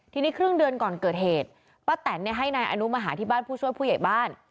ทีนี้ครึ่งเดือนก่อนเกิดเหตุป้าแตนให้นายอนุมาหาที่บ้านผู้ช่วยผู้ใหญ่บ้าน